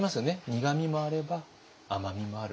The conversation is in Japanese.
苦みもあれば甘みもある。